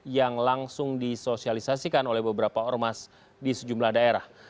yang langsung disosialisasikan oleh beberapa ormas di sejumlah daerah